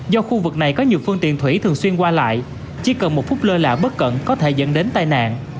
do khu vực này có nhiều phương tiện thủy thường xuyên qua lại chỉ cần một phút lơ lạ bất cẩn có thể dẫn đến tai nạn